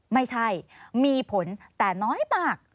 ไม่ใช่มีผลแต่น้อยมาก